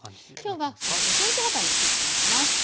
今日は５ｃｍ幅に切ってあります。